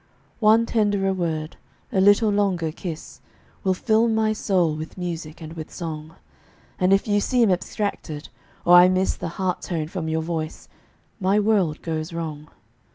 One tenderer word, a little longer kiss, Will fill my soul with music and with song; And if you seem abstracted, or I miss The heart tone from your voice, my world goes wrong.